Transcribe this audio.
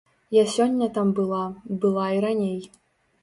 Я сёння там была, была і раней.